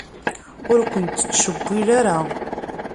Ur kent-tettcewwil ara.